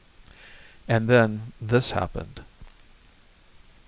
And then this happened.